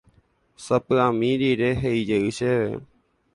Sapy'ami rire he'ijey chéve.